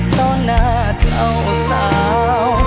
ต้อนาเจ้าสาว